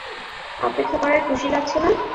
অপেক্ষা করায় খুশি লাগছে না?